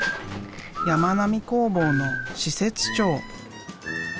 やまなみ工房の施設長。